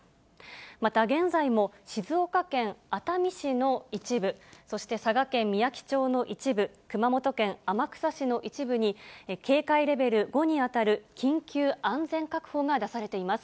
また現在も、静岡県熱海市の一部、そして佐賀県みやき町の一部、熊本県天草市の一部に警戒レベル５に当たる緊急安全確保が出されています。